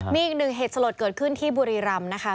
มีอีกหนึ่งเหตุสลดเกิดขึ้นที่บุรีรำนะคะ